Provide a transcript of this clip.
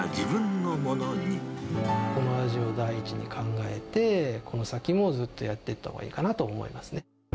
この味を第一に考えて、この先もずっとやっていったほうがいいかなと思いますね。